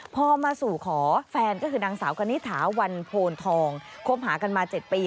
พอมาสู่ขอแฟนก็คือนางสาวกณิถาวันโพนทองคบหากันมา๗ปี